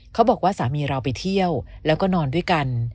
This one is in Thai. เขาบอกว่าสามีเราไปเที่ยวแล้วก็นอนด้วยกัน